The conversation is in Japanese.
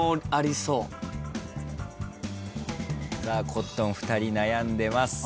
コットン２人悩んでます。